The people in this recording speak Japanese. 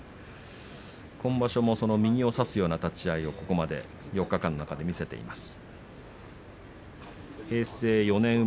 今場所も右を差すような立ち合いを、ここまで４日間の中で見せています。